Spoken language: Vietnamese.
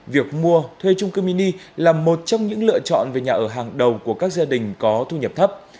việc mua thuê trung cư mini là một trong những lựa chọn về nhà ở hàng đầu của các gia đình có thu nhập thấp